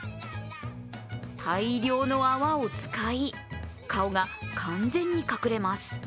大量の泡を使い、顔が完全に隠れます。